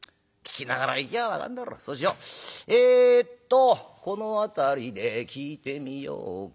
えっとこの辺りで聞いてみようか。